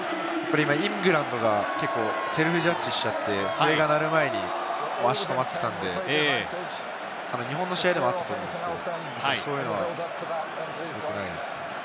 イングランドが結構セルフジャッジしたって、笛が鳴る前に足が止まってたんで、日本の試合でもあったと思うんですけど、そういうのはよくないです。